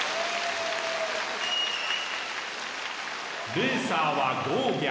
「レーサーはゴーギャン」。